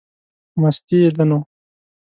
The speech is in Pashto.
مستي یې ده نو.